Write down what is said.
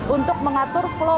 untuk mengatur flow penumpang